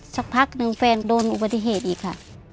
สักพักหนึ่งแฟนโดนอุบัติเหตุอีกค่ะ